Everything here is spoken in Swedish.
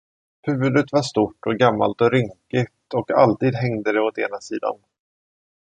Huvudet var stort och gammalt och rynkigt, och alltid hängde det åt ena sidan.